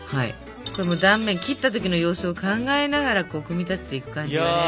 これ断面切った時の様子を考えながらこう組み立てていく感じだね。